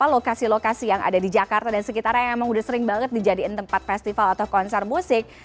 lokasi lokasi yang ada di jakarta dan sekitarnya yang emang udah sering banget dijadikan tempat festival atau konser musik